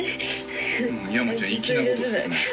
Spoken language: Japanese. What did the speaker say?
ヤマちゃん粋なことするね。